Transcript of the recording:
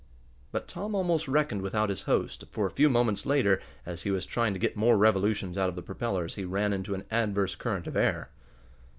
But Tom almost reckoned without his host, for a few moments later, as he was trying to get more revolutions out of the propellers, he ran into an adverse current of air.